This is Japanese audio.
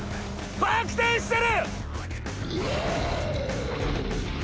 バック転してる！